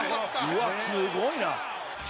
うわっすごいな！